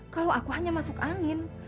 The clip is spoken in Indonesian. kalau aku hanya masuk angin